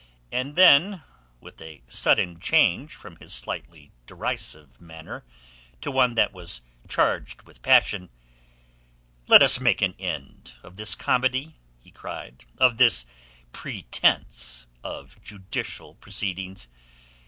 And then with a sudden change from his slightly derisive manner to one that was charged with passion: "Let us make an end of this comedy," he cried, "of this pretence of judicial proceedings.